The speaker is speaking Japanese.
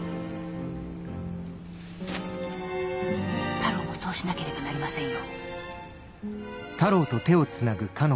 太郎もそうしなければなりませんよ。